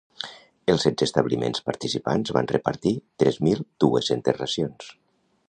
Els setze establiments participants van repartir tres mil dues-centes racions.